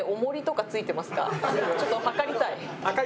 ちょっと量りたい。